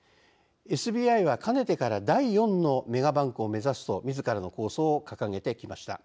ＳＢＩはかねてから「第４のメガバンク」を目指すとみずからの構想を掲げてきました。